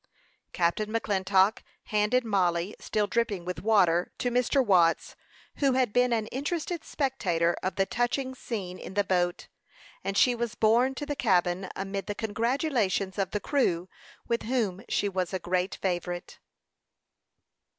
Captain McClintock handed Mollie, still dripping with water, to Mr. Watts, who had been an interested spectator of the touching scene in the boat; and she was borne to the cabin amid the congratulations of the crew, with whom she was a great favorite.